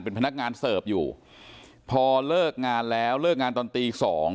เป็นพนักงานเสิร์ฟอยู่พอเลิกงานแล้วเลิกงานตอนตีสอง